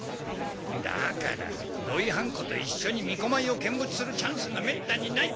だから土井半子と一緒にみこまいを見物するチャンスがめったにない！